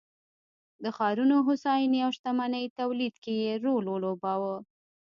د ښارونو هوساینې او شتمنۍ تولید کې یې رول ولوباوه